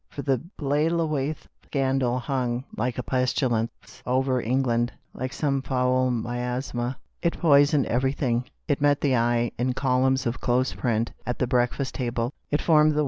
For the Blaythewaite scandal hung, like a pestilence, over England. Like some foul miasma, it poisoned every thing. It met the eye, in columns of close print, at the breakfast table ; it formed the 213 THE STORY OF A MODERN WOMAN.